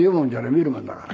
見るもんだから。